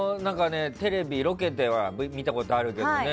ロケでは見たことあるけどね。